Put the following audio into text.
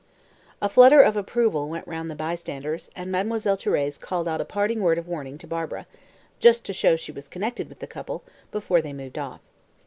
A flutter of approval went round the bystanders, and Mademoiselle Thérèse called out a parting word of warning to Barbara just to show she was connected with the couple before they moved off.